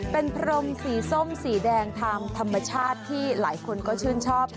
เป็นพรมสีส้มสีแดงทางธรรมชาติที่หลายคนก็ชื่นชอบ